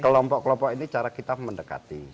kelompok kelompok ini cara kita mendekati